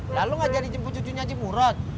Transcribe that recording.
lalu gak jadi jemput cucunya aja purw